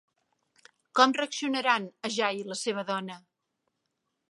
Com reaccionaran Ajay i la seva dona?